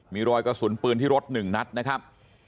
มีรอยกระสุนปืนที่รถ๑นัดนะครับ